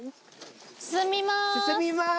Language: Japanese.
進みます。